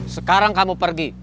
sekarang kamu pergi